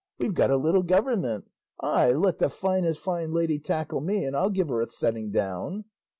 We've got a little government! Ay, let the finest fine lady tackle me, and I'll give her a setting down!"